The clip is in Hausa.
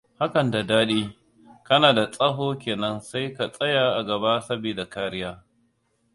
Hakan ba daɗi! Kana da tsaho kenan sai ka tsaya a gaba sabida kariya.